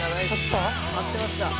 「貼ってました」